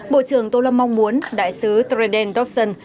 bộ trưởng tô lâm mong muốn đại sứ treden dobson